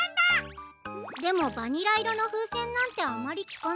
でもバニラいろのふうせんなんてあまりきかないよ？